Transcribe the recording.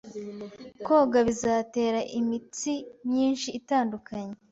Koga bizatera imitsi myinshi itandukanye